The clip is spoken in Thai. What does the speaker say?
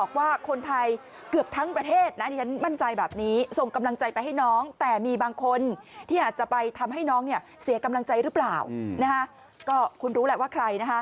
ก็คุณรู้แล้วว่าใครนะคะ